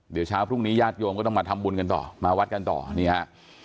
เดี๋ยวเช้าพรุ่งนี้ญาติโยมก็ต้องมาทำบุญกันต่อมาวัดกันต่อนี่ฮะ